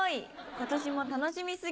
今年も楽しみ過ぎ